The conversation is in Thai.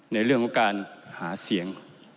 ในเรื่องของการหาเสียง